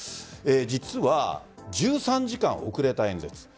実は、１３時間遅れた演説。